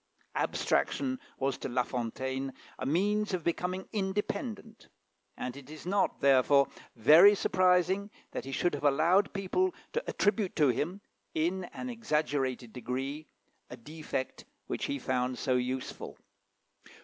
Abstraction was to La Fontaine a means of becoming independent, and it is not, therefore, very surprising that he should have allowed people to attribute to him, in an exaggerated degree, a defect which he found so useful.